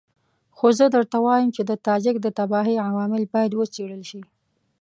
خو زه درته وایم چې د تاجک د تباهۍ عوامل باید وڅېړل شي.